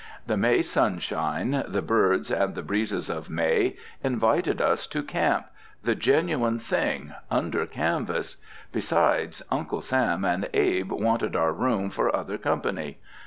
The May sunshine, the birds and the breezes of May, invited us to Camp, the genuine thing, under canvas. Besides, Uncles Sam and Abe wanted our room for other company.